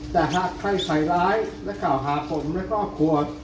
แต่หากใครใส่ร้ายและกล่าวหาผมและครอบครัว